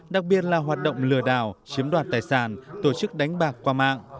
đặc biệt là hoạt động lừa đảo chiếm đoạt tài sản tổ chức đánh bạc qua mạng